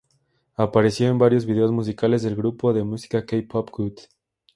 Apareció en varios vídeos musicales del grupo de música K-pop g.o.d.